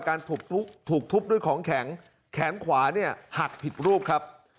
ถูกทุบด้วยของแข็งแขนขวาเนี่ยหักผิดรูปครับ